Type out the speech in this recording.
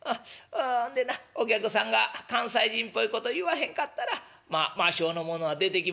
んでなお客さんが関西人っぽいこと言わへんかったらまあ魔性のものは出てきませんで」。